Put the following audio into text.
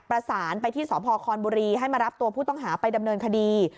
ประสานไปที่สพคอนบุรีให้มารับตัวผู้ต้องหาไปดำเนินคดี